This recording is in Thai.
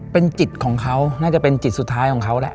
เป็นจิตของเขาน่าจะเป็นจิตสุดท้ายของเขาแหละ